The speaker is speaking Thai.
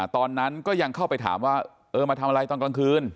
ตอนนั้นก็ยังเข้าไปถามว่าเออมาทำอะไรตอนกลางคืน